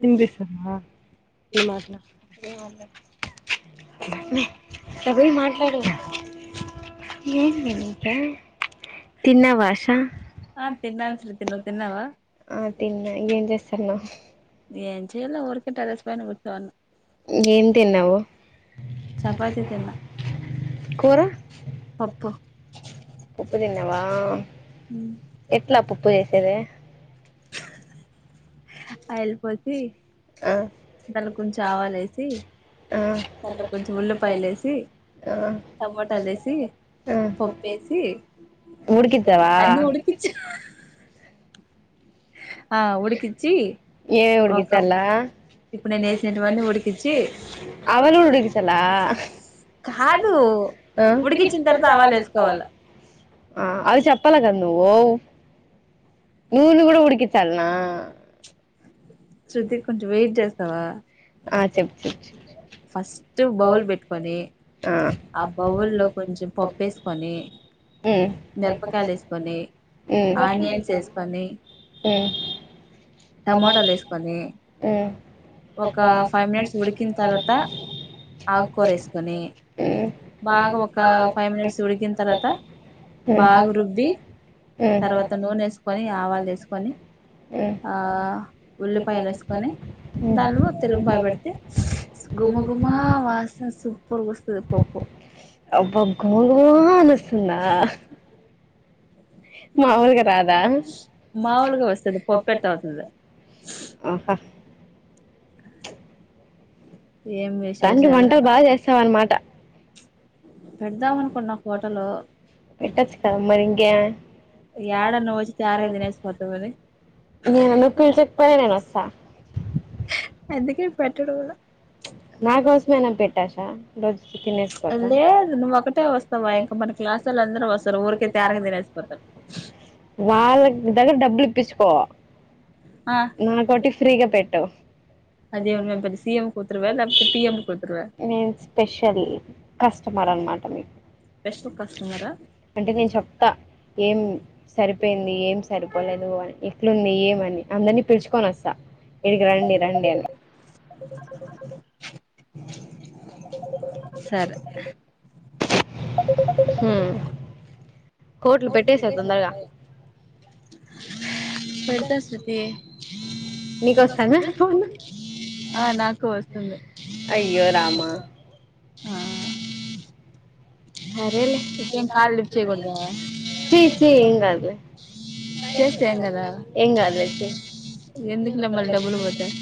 వినిపిస్తుందా తిన్నావాషా చేస్సన్నవ్ ఏం తిన్నావు చపాతి తిన్న పప్పు పప్పు తిన్నావా ఎట్లా పప్పు చేసేది అయల్ పోసి ఆ కొంచెం ఉల్లిపాయలు ఏసి టమాట లేేసి పప్పు ఏసి అన్ని ఉడికిచ్చ ఏవేఉడికిచ్చల్ల ఆవాలు కూడా ఉడికిచ్చల్ల అవి చెప్పల్ల కదా నువ్వు నూను కూడ ఉడికి నా శృతికి కొంచెం వెయిట్ చేస్తావా ఫస్ట్ బౌల్ పెట్టుకొని ఆ బౌల్ లో కొంచెం పప్పు ఏసుకొని మిరపకాయలు ఏసుకొని ఆనియన్స్ ఏసుకొ పని టమాటాలు ఏస్కోని మ్మ్ మ్మ్ మ్మ్ మ్మ్ మ్మ్ ఆ ఉల్లిపాయలు వేసుకొని దానిలో తిరుగపాయ పెడితే గుమ గుమ వాసన సూపర్గా వస్తది పప్పు మామలుగా రాదా ఆహా మొత్తానికి వంటలు బాగా చేస్తావనమాట పెట్టొచ్చు కదా మరి ఇంకేమీ నేనా నువ్వు పిలిచకపోయినా నేను వస్తా అందుకే పెట్టడు కూడా నా కోసమేనా పెట్ ఆశా రోజు తినేసిపోతా వాళ్ళ దగ్గర డబ్బులు ఇప్పించుకో నా కోటి ఫ్రీగా పెట్టు అదే నువ్వేం పెద్ద సీఎం కూతురు నేను స్పెషల్ కస్టమర్ అనమాట మీకు అంటే నేను చెప్తా ఏం సరిపోయింది ఏం సరిపోలేదుని ఎట్లుంది ఏమని అందరినీ పిలుచుకొని వస్తా ఇడికి రండి రండి అని [unintelligible] సరే హుం పెడతా శృతి ఆ నాకు వస్తుంది ఆ ఇకేం కాళ్ళు లిఫ్ట్ చేయకూడదా చేస్తే ఏం కాదా ఎందుకులే మళ్ళీ డబ్బులు పోతాయి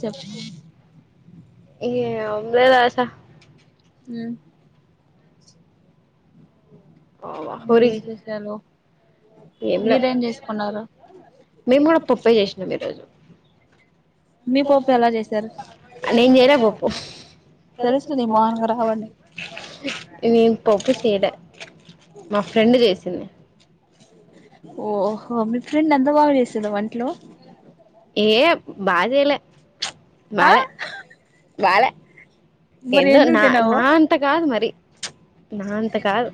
చెప్ ఏం లేదు ఆషా ఉమ్ పోరి ఏం లే మేము కూడా పప్పే చేసినాం ఈరోజు నేను చేయలే పప్పు నేను పప్పు చేయలే మా ఫ్రెండ్ చేసింది. ఓహో మీ ఫ్రెండ్ అంతా బాగాచేసిందా వంటలు బా చేయలే ప్చ్ బాలే బాలే ఎందో నా నా అంత కాదు మరి నా అంత కాదు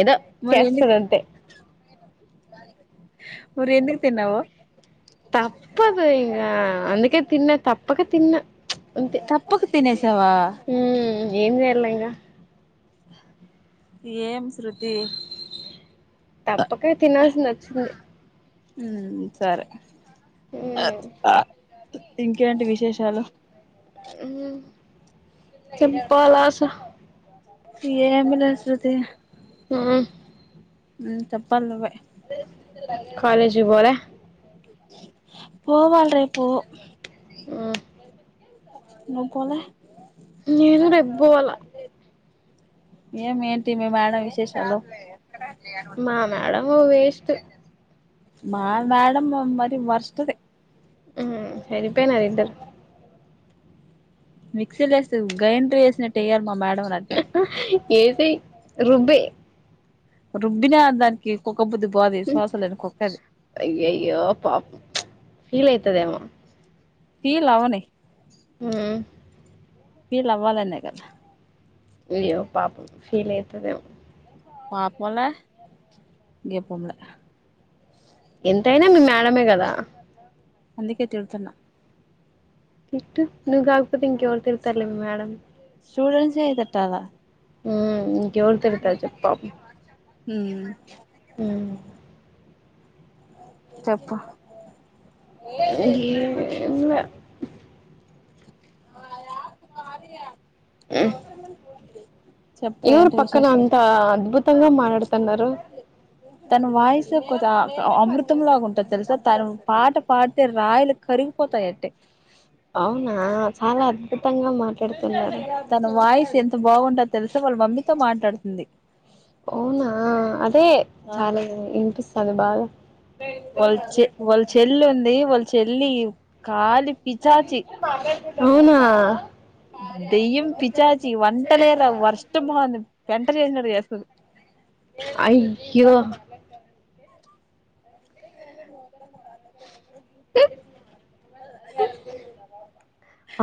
ఏదో చేస్తదంతే. బాలే తప్పదు ఇంకా అందుకే తిన్న తప్పక తిన్న ప్చ్ అంతే ఉమ్ ఏం చేయాల ద ఏం శృతి. తప్పక తినాల్సింది వచ్చింది ఉమ్ సరే ఇంకేంటి విశేషాలు. ఉమ్ సింపలస ఏమిలే శృతి ఉమ్ చెప్పాల నువ్వే కాలేజీ పోలే పోవాలి రేపు. ఉమ్ నువ్ పోలే ఏం ఏంటి మీ మేడం విశేషాలు మా మేడం ఓ వేష్ తె మా మేడం మ మరి వరస్ట్ది ఉమ్ సరిపోయినారిద్దరు. మిక్సీలో ఎస్తే గ్రైండ్ లో వేసినట్టు వెయ్యాలి ఏసేయ్ రుబ్బేయ్ రుబ్బిన దానికి కో క్క బుద్ధి పోది విశ్వాసం లేని కుక్కది ఫీల్ అయితదేమో తీలావని ఉమ్ ఫీల్ అవ్వాలనే కదా అయ్యో పాపం ఫీల్ అయితదేమొ పాపంలే గీపంలే ఎంతయినా మీ మేడమే కదా అందుకే తిడుతున్నా తిట్టు నువ్ గాకపోతే ఇంకెవర్ తిడుతార్లే మి మేడమ్ స్టూడెట్స్ ఎ తిట్టాల ఉమ్ ఏవోల్ని తిడుతాది చెప్పపం ఉమ్ ఉమ్ చెప్పు ఎం లా ఆ సుప్ప మాదియా [unintelligible] ఎవరు పక్కన అంతా అద్భుతంగా మ మాట్లాడుతున్నారు తన వాయిస్ అమృతంలాగా ఉంటది తెలుసా తను పాట పాడితే రాయలు కరిగిపోతాయట్టే అవునా చాలా అద్భుత తన వాయిస్ ఎంత బాగుంటది తెలుసా వాళ్ళ మమ్మీతో మాలాడుతుంది అవునా అదే చాలా వినిపిస్తు బాధ బాధ వాళ్ళ చె వాళ్ళ చెల్ల ఉంది వాళ్ళు చెల్లి కాలి పిచాచి దెయ్యం పిచాచి వంట లేరా వర్షం బగుంది పెంట చేసినారు చేస్తుంది అయ్యో అంట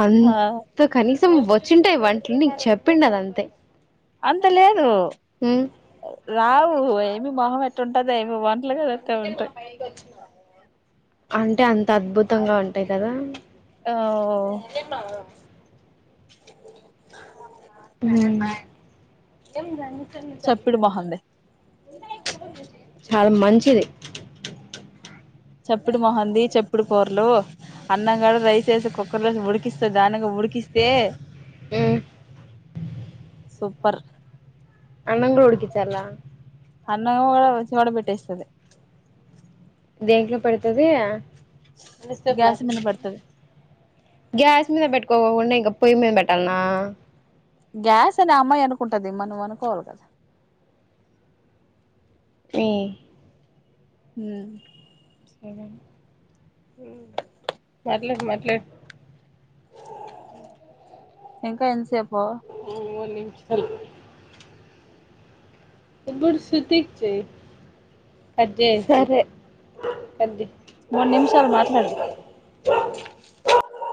అంత కనీసం వచ్చుంటాయి వంటలు నీకు చెప్పిండు అదంతే అంత లేదు రావు ఏమి మోహం ఎట్టుంటదో [unintelligible] [unintelligible] ఉంటాయి అంటే అంత అద్భుతంగా ఉంటాయి కదా ఓ హా ఉమ్ ఎ చాలా మంచిది చప్పిడి మొహంది చప్పిడి కూరలు అన్నంగాదు రైస్ వేసి కుక్కర్లోనే ఉడికిస్తే దానికి ఉడికిస్తే సూపర్ అన్న కూడ [unintelligible] పెట్టేస్తుది దేంట్లో పెడుతుది గ్యాస్ మీద బెట్కో పోయి మీన పెట్టాల్నా గ్యాస్ అని అమ్మాయి అనుకుంటది మనం అనుకోవాలి కదా ఈ హ పర్లేదు మాట్లాడు ఇంకా ఎంతసేపు ఆ మూడు నిమిషాలు ఇప్పుడు శృతికి చెయ్ అదే సరే అదే మూడు నిమిషాలు మాట్లాడు